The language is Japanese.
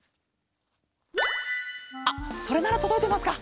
あっそれならとどいてますか？